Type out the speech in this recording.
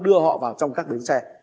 đưa họ vào trong các bến xe